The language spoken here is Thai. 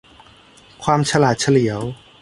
ความฉลาดเฉลียว